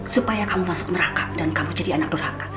supaya kamu masuk nerakab dan kamu jadi anak neraka